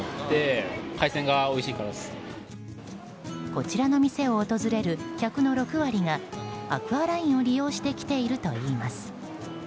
こちらの店を訪れる客の６割がアクアラインを利用して来ているといいます。